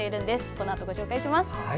このあとご紹介します。